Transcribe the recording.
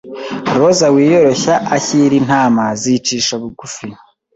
Roza wiyoroshya ashyira intama zicisha bugufi